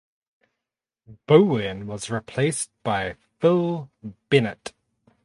Bowen was replaced by Phil Bennett.